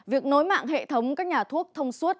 việc nối mạng hệ thống các nhà thuốc thông suốt